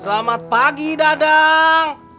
selamat pagi dadang